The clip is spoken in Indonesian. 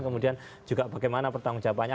kemudian juga bagaimana pertanggung jawabannya